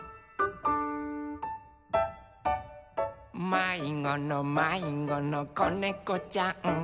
「まいごのまいごのこねこちゃん」